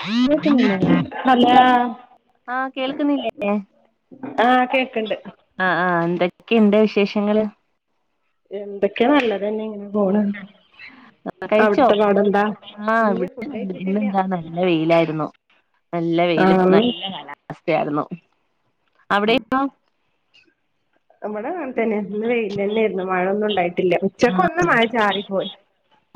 കേക്ക്ന്നില്ലേ ഹലോ ആഹ് കേൾക്ക്ന്നില്ലേ? ആഹ് കേക്ക്ണ്ട് അഹ് ആഹ് എന്തെക്കെണ്ട് വിശേഷങ്ങള് എന്തൊക്കെ നല്ലതന്നെ ഇങ്ങനെ പോണ് കഴിച്ചോ അവിടുത്തെ പാടെന്താ മാഹ് ഇല്ല വ്ട് ഫുഡ് തന്നെണ്ട് കഴിച്ചിട്ടില്ല ഇന്നെന്താ നല്ല വെയിലായിരുന്നു നല്ല വെയിലും ആഹ് നല്ല കാലാവസ്തേ ആയ്രുന്നു അവിടെയോ ഇവടെ അങ്ങൻ തന്നെ ഇന്ന് വെയിലെന്നേര്ന്നു. മഴൊന്നുണ്ടായിട്ടില്ല ഉച്ചക്കൊന്ന് മഴ ചാറിപ്പോയി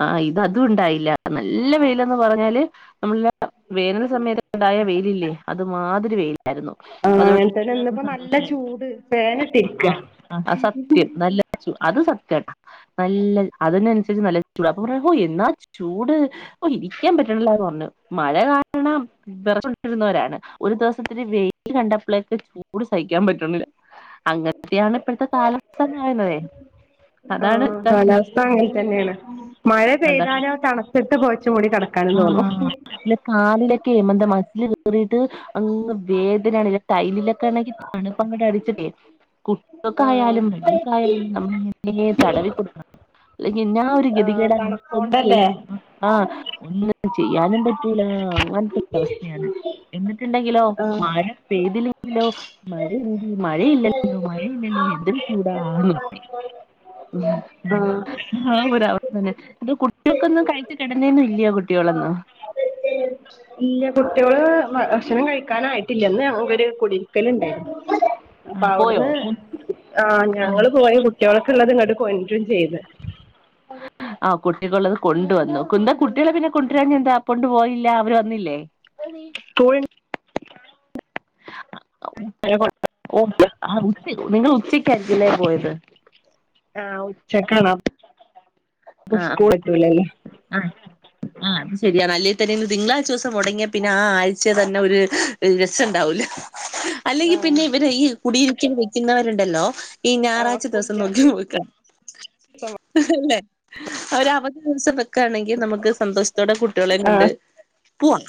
ആഹ് ഇതും അതുണ്ടായില്ല. നല്ല വെയിലെന്ന് പറഞ്ഞാല് നമ്മ്ളെ വേനൽ സമയത്ത് ഇണ്ടായ വെയിലില്ലേ അത് മാതിരി വെയിലാരുന്നു ആഹ് അങ്ങനെ തന്നെ അതോണ്ടെല്ലാർക്കു ഇന്നിപ്പോ നല്ല സന്തോഷായി ചൂട് ഫാനിട്ടിരിക്ക അഹ് അത് സത്യം നല്ല അത് സത്യാട്ട നല്ല അതിനൻസരിച്ച് നല്ല ചൂടാ പൊ പർഞു ഓ എന്നാ ചൂട് ഓ ഇരിക്ക്യ പറ്റണ്ല്ലാന്ന് പർഞു. മഴ കാര്ണം വെറച്ചൊണ്ടിരുന്നവരാണ്. ഒരു ദെവസത്തില് വെയിൽ കണ്ടപ്ളേക്ക് ചൂട് സഹിക്യ പറ്റ്ണില്ല അങ്ങ ത്യാണ് ഇപ്പൾതെ കാലം പറ [unintelligible] അതാണ് ആഹ് പ്രഷ് കാലാവസ്ഥ അങ്ങനെ മഴ പെയ്താലോ തണുത്ത്ട്ട് പൊത്ച് മൂടി കട്ക്കാനു തോന്നും ഇന്റെ കാലിലൊക്കെ ന്ത മസ്ല് കേറിട്ട് അങ്ങ് വേദനേണ് ടൈലിലൊക്കാണെങ്കി തണുപ്പങ്ങട് അടിച്ചിട്ടെ കു ആഹ് ക്കായാലും വെല്ലിമകായാലും നമ്മൾ തടവി കൊടുക്കണം അല്ലെങ്കി [unintelligible] ഗതി ആഹ് കേടാ നമുക്ക് ഒന്നും ചെയ്യ തണുപ്പോണ്ടല്ലേ [unintelligible] ആഹ് ഒന്നും ചെയ്യാനും പറ്റൂല അങ്ങൻതൊരവസ്ഥയാണ് എന്നിട്ട്ണ്ടെങ്കിലോ ആഹ് മായ പെയ്തില്ലെ ലോ മഴയി മഴയില്ലല്ലോ മഴയില്ലല്ലോ എന്തൊരു ചൂടാ ആ ഉം ആഹ് ആഹ് ഒരവസ്ഥ തന്നെ ഇത് കുട്യൾക്കൊന്നു കഴിച്ച് കെടന്നേന്നു ല്യ കുട്യോളൊന്നു [unintelligible] ഇല്ല കുട്യോള് ഭഷണം കഴിക്കാനായിട്ടില്യ. ഇന്ന് ഞൻക്കൊര് കുടീര്ക്കല്ണ്ടായ് ആ പോയോ അപ്പട്ന്ന് ആ് ആ ഞങ്ങള് പോയി കുട്യോള്ക്കുള്ളത് ഇങ്ങട്ട് കൊൻട്രുമ് ചെയ്ത് [inaudible] ആഹ് കുട്ടിക്കുള്ളത് കൊണ്ട് വന്നു കുന്ത കുട്യളെ പിന്നെ കൊണ്ടരഞെന്താ കൊണ്ടു പോയില്ല അവർ വന്നില്ലേ? [unintelligible] ഒ [unintelligible] ഓ ആ ഉച്ച് നിങ്ങൾ ഉച്ചക്ക്കില്ലേ പോയത് ആ ഉച്ചകാണാ ആഹ് എത്തൂലല്ലോ ആഹ് ആ ആഹ് അത് ശരിയാണ് അല്ലേ തന്നെന്ന് തിങ്കളാഴ്ച ദിവസം മുടങ്ങിയ പിന്നെ ആഴ്ച തന്നെ ഒരു രസണ്ടാവൂലേ [inaudible] അല്ലെങ്കിൽ പിന്നെ ഇവര് ഈ കുടിയിരിക്കൽ വെക്കുന്നവരുണ്ടല്ലോ ഈ ആഹ് ഞായറാഴ്ച ദിവസം സ്കൂളില്ലാത്ത നോക്കിം വെക ദിവസം അഹ് ല്ലെ ഓര് അവധി ദിവസം വെ ക്കാണെങ്കിൽ നമുക്ക് സന്തോഷത്തോടെ കുട്ടികളേം കൊണ്ട് ആഹ് പുവാം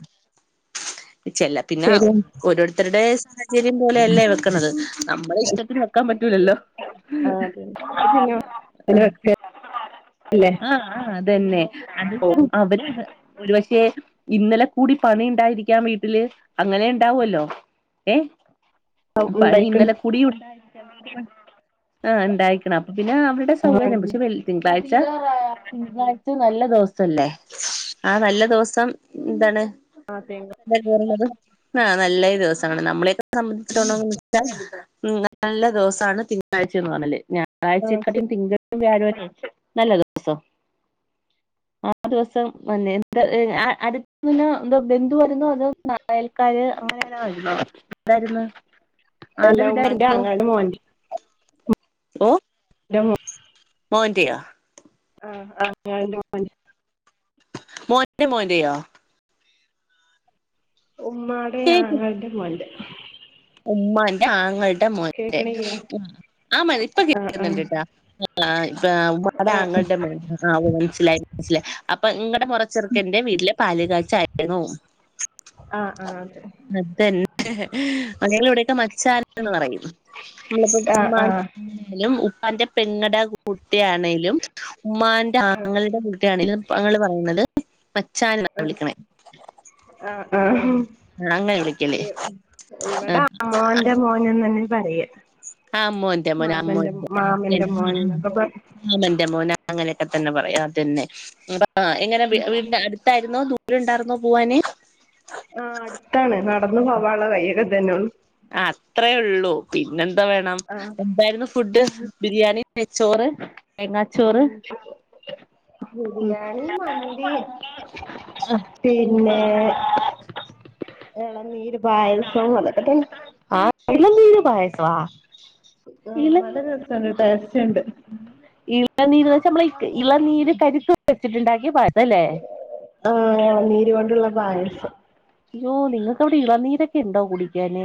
ചെല്ല പിന്നാ ശരി ഓരോരുത്തരുടെ സചര്യം പോലെ അല്ലേ വെക്കണത് നമ്മള ഇഷ്ടത്തിന് വെക്കാൻ പറ്റൂലല്ലോ ത് പിന്നെ ങ്ങനെ വെക്ക ല്ലേ ആ ആ അതന്നെ അത്ചാ അവര് ഒരു പക്ഷെ ഇന്നലെ കൂടി പണി ഉണ്ടായിരിക്കാം വീട്ടില് അങ്ങനെ ഇണ്ടാവുല്ലോ ഏ പണി ഉണ്ടായിക്ക്ണ് ഇന്നലെ കുടിണ്ടായി ആ ഇണ്ടായികണ് അപ്പ പിന്നെ അവ സൗകര്യം പക്ഷെ വെ ആഹ് തിങ്കളാഴ്ച തിങ്കളാഴ്ച നല്ല ദേസല്ലേ ആ നല്ല ദിവസം ന്താണ് അതേ ആ നല്ല ഒരു ദിവസമാണ് നമ്മളെയൊക്കെ സംബന്ധിച്ചിടതോളം [unintelligible] ഉ നല്ല ദിവസമാണ് തിങ്കളഴ്ചയ എന്ന് പറഞ്ഞല് ആഹ് ഞായറാഴ്ചയക്കാളും ശരി തിങ്കളും വ്യാഴോലേ [unintelligible] നല്ല ദിവസം [inaudible] ആ ദിവസം മന്നെ എന്ത അടുത്തന്നെ എന്താ ബന്ധുവ വുന്നോ അത് നായൽക്കാര് അങ്ങനെരുന്നു ഇടായിരുന്നു അത് അല്ല ഉമ്മാന്റെ വിടായിരുന്നു ആങ്ങളന്റെ മോന്റെ ഓ ന്റെ മു മോന്ന്റ്റെയോ ആ ആ മോന്റ് മോന്റ് മോന്റെ മോന്റെയാ ഉമ്മാടെ കേക്ക് ആങ്ങളടെ മോൻറ്റെ ഉമ്മാന്റെ ആങ്ങളടെ മോൻറ്റെ കേക്ക്ണില്ല ആ മതി ഇപ്പൊ ആഹ് കിട്ടുന്ന്ണ്ട് ട്ട [unintelligible] ഇപ്പ ഉമ്മാടെ ആഹ് ആങ്ങളുടെ മോ ആ ഓ മനസ്സിലായി മനസിയി അപ്പൊ ഇങ്ങടെ മുറ ചെറുക്കന്റെ വീട്ടിലെ പാല് കാച്ചായിരുന്നു ആഹ് ആഹ് ആഹ് അതെ അതന്നെ [unintelligible] ഇവിടെയൊക്കെ മച്ചാന്ന് പറയും നമ്മളപ്പോ ആഹ് ആഹ് ഉമാനാലും ഉപ്പാന്റെ പെങ്ങട കുട്ടിയണേലും ഉമ്മാന്റെ ആഹ് ആങ്ങള്ടെ കുട്ടിയാണേലും തങ്ങൾ പറയുന്നത് മച്ചാൻ ന ആഹ് വിളിക്കണേ ആഹ് ആഹ് ആ അങ്ങനെ വിളിക്കല് ആഹ അടു അ ഞന്നെ പറയ ആ അമ്മോൻറ്റെ മോൻ അമ്മേന്റെ അ മാമന്റെ [unintelligible] മ്മ മോന് ന്നൊക്കെ പറ അ ആമന്റെ മോന അങ്ങനെയൊക്കെ തന്നെ പറയാ അതന്നെ എങ്ങനെ വീടിന്റെ അ ത്തായിരുന്നോ ദൂരം ഉണ്ടായിരുന്നോ പോവാന് ആ അടുത്താണ് നടന്നു പോവാള്ള വയ്യൊക്കെ തന്നെയ ഉള്ളൂ അത്രയേള്ളൂ പിന്നെന്ത വേണം ആഹ് ഇതായിരുന്നു ഫുഡ് ബിരിയാണി, നെച്ചോറ്, തേങ്ങാച്ചോറ് ഉം ബിരിയാണി, മന്തി പിന്നേ എളനീര് പായസം അതൊക്കെ തന്നെ [unintelligible] ആ വളരെ രസുണ്ട് ടേസ്റ്റ് ഉണ്ട്. ഇളനീര്ന്ന് വെച്ചാ നമ്മൾ ഇളനീര് കരിത്ത് വെച്ചിട്ടുണ്ടാക്കി പഴല്ലേ. ആ എ ഇളനിർ കൊണ്ടുള്ള പായിസം അയ്യോ നിങ്ങൾക്കിടെ ഇളനീരൊക്കെ ഉണ്ടോ കുടിക്കാന്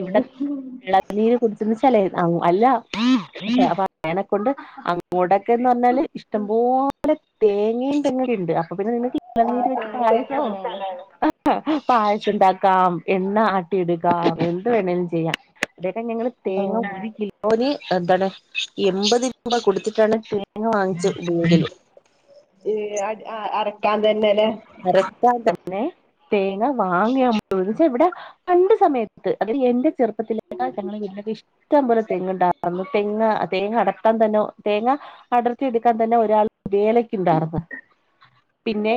ഇവിടെ ഇളനി ഇളനിർ കുടിച്ചച്ചലേ അല്ല അപ്പൊ അനെക്കൊണ്ട് അങ്ങോടൊക്കെയെന്നു പറഞ്ഞാൽ ഇഷ്ടംപോലെ തേങ്ങയും തെങ്ങുക്കെയുണ്ട് അപ്പം പിന്നെ നിനക്ക് ആ ഇളനീർ വച്ചു തെങ്ങുള്ള പയ്യസൂ സ്ഥലാണ് പായസമുണ്ടാക്കാം എണ്ണ ആട്ടി ഇടക്കാം എന്ത് വേണമേലു ചെയ്യ അതൊക്കെ ഞങ്ങള് ആ തേങ്ങ ഒരുകിലോ ഓന് എന്താണ് എൺപത് രൂപ കൊടുത്തിട്ടാണ് തേങ്ങ വാങ്ങിച്ച് ഉപയോഗിക്കല് അറക്കാൻ തന്നെയല്ലെ അടക്കാൻ തന്നെ തേങ്ങ വാങ്ങിയാ [unintelligible] പണ്ട് സമയത്ത് അത് എന്റെ ചെറുപ്പത്തിലേക്കാ ഞങ്ങൾ വീട്ടിലെയൊക്കെ ഇഷ്ടമ്പോ ഇഷ്ടപോലെ തെങ്ങ് ഉണ്ടാരുന്നു തെങ്ങ് തേങ്ങ അടത്താൻ തന്നെ തേങ്ങ അടർത്തി എടുക്കാൻ തന്നെ ഒരാൾ വേലക്ക ഉണ്ടാർന്ന്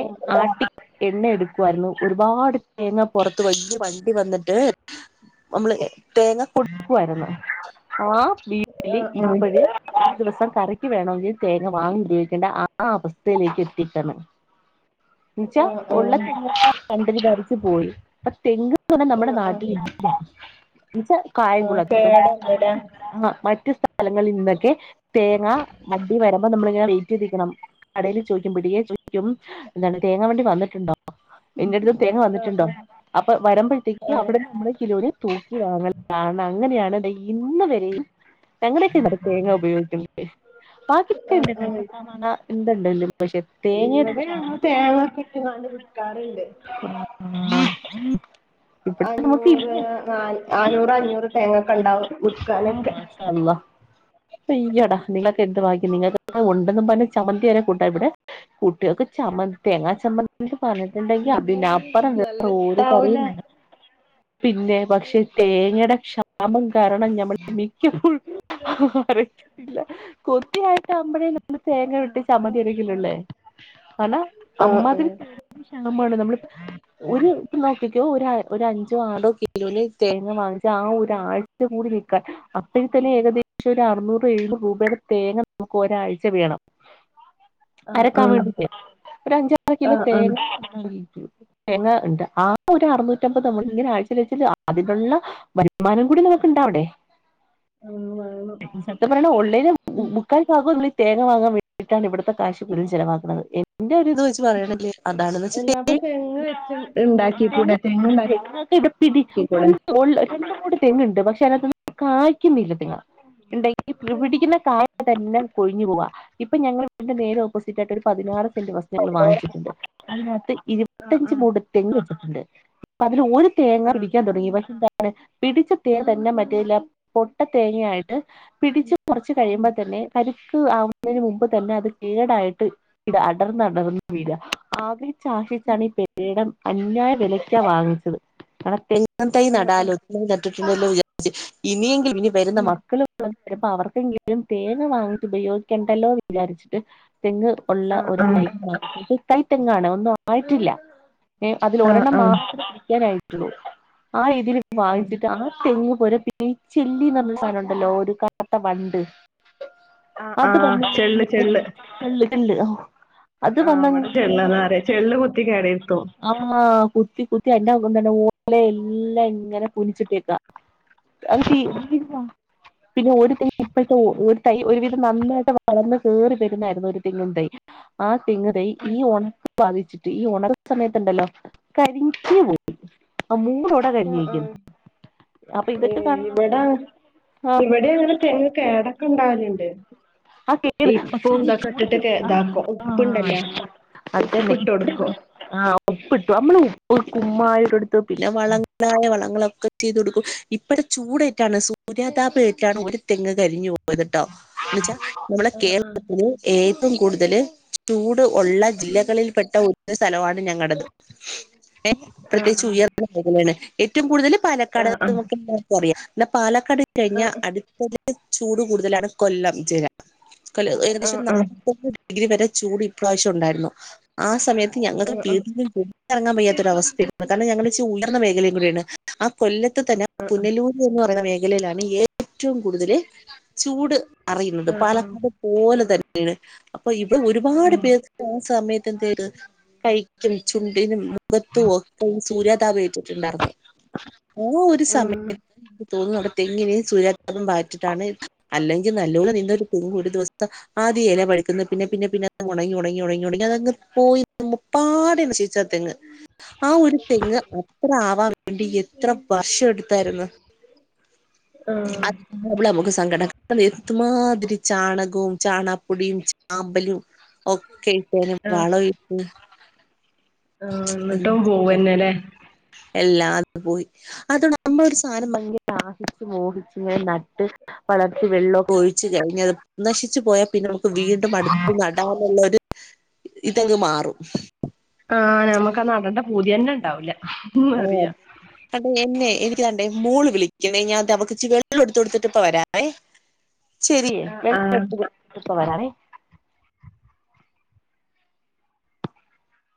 ആ ആ ആട്ടി എണ്ണി എടുക്കുവായിരുന്നു ഒരുപാട് തേങ്ങ പുറത്തുവെച്ചു വണ്ടി വന്നിട്ട് നമ്മള് തേങ്ങ കൊടുക്കുവരുന്നു ആ വീട്ടില് ആ ആ ഇപ്പഴേ ആ ഒരു ദിവസം കരക്ക് വേണമെങ്കിൽ തേങ്ങ വാങ്ങൻ ഉപയോഗിക്കേണ്ട ആ അവസ്ഥയിലേക്ക് എത്തിട്ടാണ്. എന്നച്ചാ ആ ഉള്ള തെങ്ങ് കണ്ടിൽ ധരിച്ചച്ച് പോയി അപ്പൊ തെങ്ങ് തെ നമ്മുടെ ആ ആ നാട്ടിൽ ഇജ് ആ കായംകുളത്തും കേടൊന്നുല്ലേ ആ മറ്റ സ്ഥലങ്ങളിൽ നിന്നൊക്കെ തേങ്ങ ആട്ടി വര നമ്മള ഇങ്ങനെ വെറ്റ് ചെയ്ണം കടയിൽ ചോദിക്കും പിടിയെ ചോദിക്കും എന്താണ് തേങ്ങാ വണ്ടി വന്നിട്ടുണ്ടോ എന്റെ അടുത്തും തേങ്ങ ആ വന്നിട്ടുണ്ടോ ആ അപ്പൊ വരുമ്പോഴത്തേക്ക് ആ അവിടെ നമ്മള് കിലോ തൂക്കി അങ്ങനാണ് അങ്ങനെയാണ്ല്ല ഇന്ന് വരെയും അഞങ്ങനെയൊക്കെ ഇ തേങ്ങ ഉപയോഗിക്കുന്നത്. ആ ആ ബാക്കിക്വ [unintelligible] ഇല്ലതു ഞങ്ങൾ തേങ്ങ ഇട്ടു വിക്കാറുണ്ട് ആഹ് അഞ്ഞൂറ് നാന്നൂർ അഞ്ഞൂറ് അഞ്ഞൂറ് തേങ്ങക്കെ ഉണ്ടാവും വിക്കാനൊക്കെ അള്ളാ പയ്യടാ നിങ്ങളൊക്കെ എന്ത് ബാക്കി നിങ്ങൾക്ക് ഉണ്ടെന്നും പറ ചമന്തിയരെെ കൂട്ടാ ഇവിടെ കുട്ടികൾക്ക് ചമന് തേങ്ങാ ചമ്മന്തി പറഞ്ഞിട്ടുണ്ടെങ്കിൽ അഭ നല്ല എപ്പറയാണുക്കോട്ടെ ഒരു കറിയും ഇഷ്ടാവൂലേ വേണ്ട പിന്നെ പക്ഷെ തേങ്ങയുടെ ക്ഷാമം കാരണം ഞമ്മൾ മിക്കപോരും വെക്കത്തില്ല കൊത്തിയായിട്ട ആകുമ്പോഴേ നമ്മള് തേങ്ങ ഉട്ട ചമ്മതി അരിങ്കിലള്ളേ അല്ലാ ആഹ് അമ്മാതിരി തേങ്ങക്ക് ക്ഷമാണ് നമ്മള് ഒരു ഇപ്പനോട്ടിക്കോ ഒ അഞ്ചോ ആടോ കിലോന് തേങ്ങ വാങ്ങിച്ച ആ ഒൾ ഏറ്റവുംകുടിനിക്കുവാന് അപ്പേഴുംതന്നെ ഏകദേഷ ഒരു അറുന്നൂറ് എഴു രൂപയുടെ തേങ്ങ നമുക്ക് ഒരാഴ്ച വേണം. ആഹ് അരക്കാൻ ആഹ് വേണ്ടിട്ടേ ഒരു അഞ്ചാറ് കിലോ ആഹ് ആഹ് ആഹ് ആഹ് തേങ്ങ തേങ്ങ ഉണ്ട് ആ ഒരു അറുനൂറ്റമ്പത് നമ്മള ഇങ്ങനെ ആഴ്ചൽച്ചൽ അതിനലുള്ള വരുമാനം കൂടി നമുക്കുണ്ട അവിടെ [unintelligible] സത്യ പറഞ്ഞണ ഒള്ളൈല മുക്കാൽബാകവും തേങ്ങ വാങ്ങാൻ വേണ്ടിട്ടാണ് ഇവിടുത്തെ ക്യാഷ് ഫുള്ളും ചിലവാക്കുന്നത് എന്റെ ഒരു ഇതുവെച്ചുപറയെനെങ്കിൽ എല്ലാ അപ്പൊ തെങ്ങ് വെച്ച് [unintelligible] ഇണ്ടാക്കിക്കൂടെ തെങ്ങ് രണ്ടും ഇണ്ടാക്കിക്കൂടെ മൂന്നു തെങ്ങ്ണ്ട് പക്ഷെ അതിനാകാത്തുയൊന്നും കായ്ക്കുന്നില്ല പിന്ന ഉണ്ടെങ്കിൽ പിടിക്കുന്ന കായ തന്നെ കൊഴിഞ്ഞു പോവ ഇപ്പൊ ഞങ്ങള് വീട്ടിന്റെ നേരെ ഓപ്പോസിറ്റ് ആയിട്ട് ഒരു പതിനാറ് സെൻ്റ് വസ്തു ഞങ്ങള് വാങ്ങിച്ചിട്ടുണ്ട് അത് മൊത്തം ആഹ് ഇരുപത്തിഅഞ്ചു ആഹ് മുട് തെങ്ങ് വെച്ചിട്ടുണ്ട് പ്പതില് ഒരു തേങ്ങ ആഹ് പിടിക്കാൻ തുടങ്ങി പക്ഷെ പിടിച്ച തേങ്ങ തന്നെ മറ്റേല്ല പൊട്ട തേങ്ങയായിട്ട് പിടിച്ച കൊറച്ച് കഴിയുമ്പോ തന്നെ കരിക്ക് ആവുന്നതിന് മുമ്പ് തന്നെ അത് കേടായിട്ട് ഇത് അടർന്ന് അടർന്ന് വീഴാ ആവി ചാഷിച്ചാണ് ഈ പേടം അന്യായ വിലയ്ക്കാ വാങ്ങിച്ചത് തെങ്ങും തൈ ആഹ് നടാലോ ആഹ് [unintelligible] വിചാരിച്ച് ഇനിയെങ്കിൽ ഇനി വരുന്ന ഉം മ ക്കള് [unintelligible] അവർക്കെങ്കിലും തേങ്ങ വാങ്ങിട്ട് ഉപയോഗിക്കേണ്ടല്ലോ എന്ന് വിചാരിച്ചിട്ട് തെങ്ങ് ഉള്ള ആഹ് ഒരു ആഹ് തൈ [unintelligible] തൈ തെങ്ങാണ് ഒന്നും ആയിട്ടില്ല അതിൽ ആഹ് ഒരെണ്ണം ആഹ് മാത്രേ വെക്കാനായിട്ടുള്ളൂ ആ രീതിയിൽ ആഹ് വാങ്ങിച്ചിട്ട് ആ തെങ്ങ് പോര പിന്നെ ചെല്ലിന്ന് പർഞ്ഞരു സാധനുണ്ടല്ലോ ഒരു കറുത്ത വണ്ട് ആഹ് അത് ആഹ് ചെള്ള് ചെള്ള് [unintelligible] ആഹ് ഇവടെ ചെള്ള് വന്നങ്ങനെ ന്നറയാ ചെള്ള് കൊത്തി കേടെര്ത്തും അള്ളാ കുത്തി കുത്തി എന്റെക്കം തന്നെ ഓല എല്ലാം ഇങ്ങനെ കുനിച്ചിട്ടേക്കാം അത് തിര്മ്പി വാ പിന്നെ ഒരു തെങ്ങ് തൈ ഒരു തൈ ഒരുവിധം നന്നായിട്ട് വളർന്ന് കേറി വരുന്നായിരുന്നു ഒരു തെങ്ങും തൈ ആ തെങ്ങ് തൈ ഈ ഓണ ബാധിച്ചിട്ട് ഈ ഒണക്ക സമയത്ത്ണ്ടല്ലോ കരിഞ്ഞി പോയി ആ മൂന്ന് ദാ കരിഞ്ഞ് ഇരിക്കുന്നു ഏ ഇവടെ ആ ഇവടി അങ്ങനെ തെങ്ങ് കേടൊക്കെ ഇണ്ടാവല്ണ്ട് ആ കേട് ഇപ്പൊ പക്ഷെ ഈ ഇതാകട്ടിട്ട് ചൂടത്ത് കേ ആ ഇതാക്കും ഉപ്പ് ആ ഇണ്ടല്ലോ അതന്നെ ഉപ്പ്ട്ട് ഇവിടെ കൊടുക്കോ ഇവിടെ ആഹ് ഉപ്പ്ട്ടു നമ്മള് ഉം കുമ്മായ ഇട്ടു കൊടുത്ത് പിന്നെ വളങ്ങളായ വളങ്ങളൊക്കെ ചെയ്ത് കൊടുക്കും ഇപടെ ചൂടേറ്റാണ് സൂര്യാതാപമേറ്റാണ് ഒരു തെങ്ങ് കരിഞ്ഞു പോയത്ട്ടോ നമ്മളെ ആഹ് കേരളത്തില് ഏറ്റവും കൂടുതൽ ചൂട് ഉള്ള ജില്ലകളിൽ പെട്ട ഒരു സ്ഥലമാണ് ഞങ്ങടെത് ഏ ആഹ് പ്രത്യേകിച്ച് ആഹ് ഉയർന്ന മേഖലയാണ് ഏറ്റവും കൂടുതൽ പാലക്കാട് ആഹ് നമക്ക് [unintelligible] കൊറയാ എന്നാ പാലക്കാട് കഴിഞ്ഞ ആഹ് അടുത്ത ചൂട് കൂടുതലാണ് കൊല്ലം ജില്ല [unintelligible] ആഹ് ഏകദേശം ആഹ് നാല്പ്പത് ഡിഗ്രി വരെ ചൂട് ഇപ്രാവശ്യം ഉണ്ടായിരുന്നു ആ സമയത്ത് ഞങ്ങൾക്ക് ആഹ് ആഹ് ആഹ് വീ ആഹ് [unintelligible] എറങ്ങാൻ വയ്യാത്തൊരവസ്ഥയാണ് കാരണം ഞങ്ങൾ ചൂടാർന്ന മേഖലയും കൂടി ആണ് ആ കൊല്ലത്ത് തന്നെ പുനലൂ എന്ന് പറയുന്ന മേഖലയിലാണ് ഏറ്റവും കൂടുതൽ ചൂട് അറിയുന്നത് ആഹ് ആഹ് ആഹ് പാലക്കാട് പോലെ തന്നെയാണ് അപ്പൊ ഇവടെ ഒരുപാട് പേർ ആ സമയത്ത് എന്ത് ചെയ്ത് കൈ ക്കും ചുണ്ടിനും മുഖത്തും ഒക്കയും സൂര്യാതാപ ഏറ്റിട്ടുണ്ടായിരുന്നു ഓ ഒരു ആഹ് സമയത്ത് തോന്ന അവടെ തെങ്ങിന് സൂര്യ വായിച്ചിട്ടാണ് അല്ലെങ്കിൽ നല്ലോണം നിന്നൊരു പൂവ് ഒരു ദിവസത്തെ ആദ്യേ ഇല പഴുക്കുന്നു പിന്നെ പിന്നെ പിന്നെ ഉണങ്ങി ഉണങ്ങി ഉണങ്ങി ഉണങ്ങി അതങ്ങ് പോയി പ്പാടെ നശിച്ചാ തെങ്ങ് ആ ഒരു തെങ്ങ് അത്ര ആവാൻ വേണ്ടി എത്ര വർഷം എടുത്തായിരുന്നു ആഹ് അത് ആഹ് ഉള്ളേ നമുക്ക് സങ്കടം എന്തുമാതിരി ചാണകവും ചാണാപ്പൊടിയും ചാമ്പലും ഒക്കെ ഇട്ട് വളം ഇട്ടു ആഹ് എന്നിട്ടും പോവന്നെല്ലേ എല്ലാതും പോയി അതെ നമ്മളൊരു സാധനം ദാഹിച്ചു മോഹിച്ചു ഇങ്ങനെ നട്ട് വളർത്തി വെള്ളൊക്കെ ഒഴിച്ച് കഴിഞ്ഞ അത് നശിച്ചു പോയ പിന്നെ നമുക്ക് വീണ്ടും അടുത്ത് നടാനുള്ള ഒരു ഇതങ്ങ് മാറും ആഹ്‌ നമക്ക് അത് നടെണ്ട പൂതി എന്നെ ഉണ്ടാവൂല ആഹ് അറിയാ കണ്ടേ എന്നെ എനിക്ക് ദാണ്ടേ മോള് വിളിക്ക്ണേ ഞാൻ താ അവക്ക് ഇച്ചിരി വെള്ളം എടുത്ത് കൊടുത്തിട്ട് ഇപ്പ വരാവേ ശെരി ആഹ് വെള്ളം ആഹ് എട്ത്ത് കൊട്ത്ത്ട്ട് ഇപ്പ വരാവേ